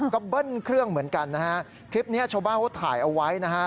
ก็เบิ้ลเครื่องเหมือนกันนะฮะคลิปนี้ชาวบ้านเขาถ่ายเอาไว้นะฮะ